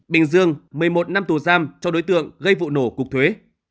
bình dương một mươi một năm tù giam cho đối tượng gây vụ nổ cục thuế